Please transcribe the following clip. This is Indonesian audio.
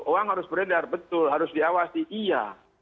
uang harus beredar betul harus diawasi iya